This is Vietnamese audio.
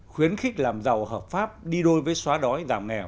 khuyến khích làm giàu hợp pháp đi đôi với xóa đói